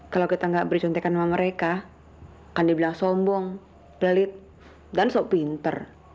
kalau kita nggak beri contekan sama mereka kan dibilang sombong belit dan sok pinter